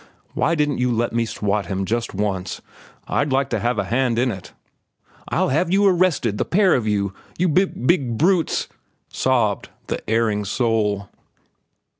Why didn't you let me swat him just once? I'd like to have had a hand in it." "I'll have you arrested, the pair of you, you b b big brutes," sobbed the erring soul.